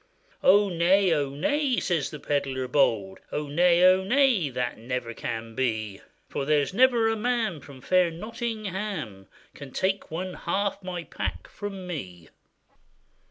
Oh! nay, oh! nay,' says the pedlar bold, 'Oh! nay, oh! nay, that never can be, For there's never a man from fair Nottingham Can take one half my pack from me.